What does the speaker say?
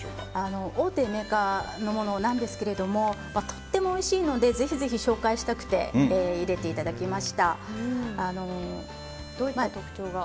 大手メーカーのものなんですがとってもおいしいのでぜひぜひ紹介したくてどういった特徴が？